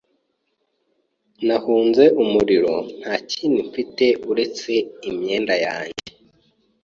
Nahunze umuriro nta kindi mfite uretse imyenda yanjye.